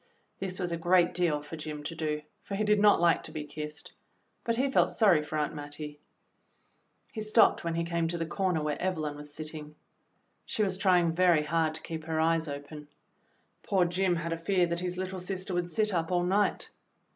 This was a great deal for Jim to do, for he did not like to be kissed. But he felt sorry for Aunt Mattie. He stopped when he came to the corner THE PLAID DRESS 37 where Evelyn was sitting. She was trying very hard to keep her eyes open. Poor Jim had a fear that his little sister would sit up all night.